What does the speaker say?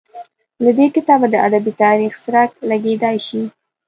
له دې کتابه د ادبي تاریخ څرک لګېدای شي.